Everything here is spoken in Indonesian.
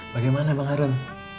bagaimana ya pak harun